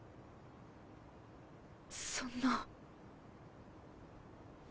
そんな。